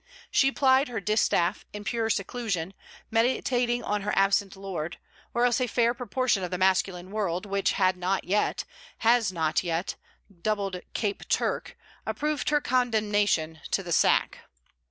She plied her distaff in pure seclusion, meditating on her absent lord; or else a fair proportion of the masculine world, which had not yet, has not yet, 'doubled Cape Turk,' approved her condemnation to the sack.